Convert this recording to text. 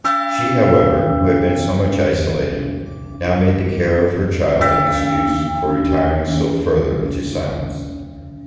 She, however, who had been so much isolated, now made the care of her child an excuse for retiring still further into silence.